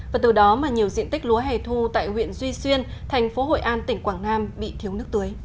và từ đó mà nhiều diện tích lúa hẻ thu tại huyện duy xuyên thành phố hội an tỉnh quảng nam bị thiếu nước tưới